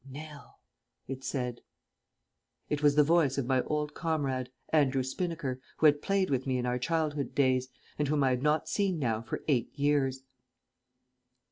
"Nell!" it said. It was the voice of my old comrade, Andrew Spinnaker, who had played with me in our childhood's days, and whom I had not seen now for eight years.